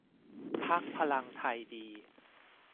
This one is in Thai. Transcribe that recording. พรรคพลังไทยดี